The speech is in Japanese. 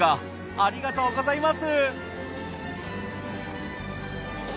ありがとうございます。